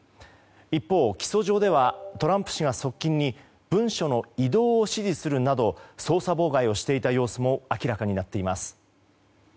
一方、起訴状ではトランプ氏が側近に文書の移動を指示するなど捜査妨害をしていた様子も明らかになっています。